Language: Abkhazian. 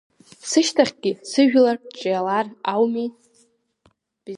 Сышьҭахьгьы сыжәлар ҿиалар ауми.